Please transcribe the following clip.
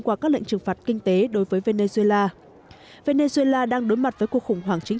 qua các lệnh trừng phạt kinh tế đối với venezuela venezuela đang đối mặt với cuộc khủng hoảng chính